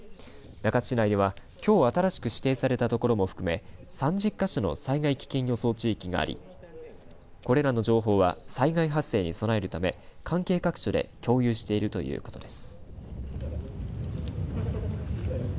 中津市内では、きょう新しく指定されたところも含め３０か所の災害危険予想地域がありこれらの情報は災害発生に備えるため関係各所で共有しているということです。